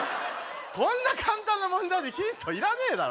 こんな簡単な問題でヒントいらねえだろ